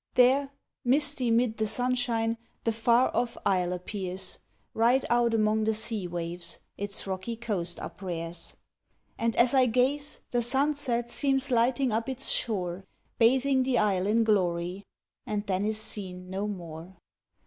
There, misty mid the Sunshine, The far off Isle appears, Right out among the sea waves Its rocky coast uprears. And as I gaze, the sunset Seems lighting up its shore, Bathing the isle in glory And then is seen no more.